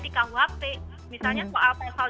di kuhp misalnya soal